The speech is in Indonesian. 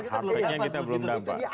harapannya kita belum dapat